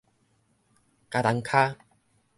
茄苳跤